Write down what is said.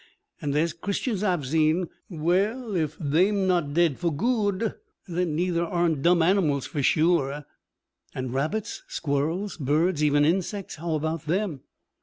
An' there's Christians ah've zeen well, ef they'm not dead for gude, then neither aren't dumb animals, for sure.' 'And rabbits, squirrels, birds, even insects? How about them?'